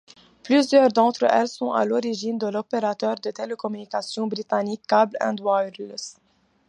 Plusieurs d'entre elles sont à l'origine de l'opérateur de télécommunications britannique Cable & Wireless.